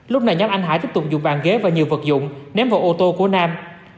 lúc này nhóm anh hải tiếp tục dùng bàn ghế và nhiều vật dụng ném vào ô tô của nam